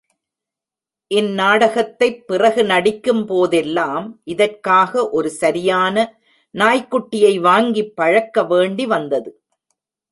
இந் நாடகத்தைப் பிறகு நடிக்கும் போதெல்லாம் இதற்காக ஒரு சரியான நாய்க்குட்டியை வாங்கிப் பழக்க வேண்டி வந்தது.